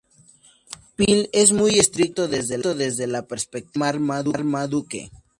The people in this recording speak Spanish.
Phil es muy estricto, desde la perspectiva de Marmaduke.